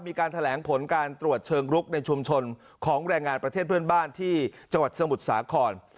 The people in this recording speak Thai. มีการแถลงผลการตรวจเชิงรุกในชุมชนของแรงงานประเทศเพื่อนบ้านที่จังหวัดสมุทรสาคร